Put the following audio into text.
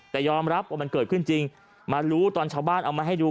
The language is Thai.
แต่ยอมรับว่ามันเกิดขึ้นจริงมารู้ตอนชาวบ้านเอามาให้ดู